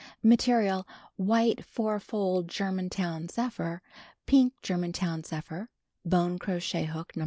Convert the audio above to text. Material: White four fold (Jormantown zephyr, Pink r.ermantown zephyr. Bone crochet hook Nt).